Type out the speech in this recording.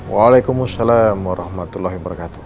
waalaikumussalam warahmatullahi wabarakatuh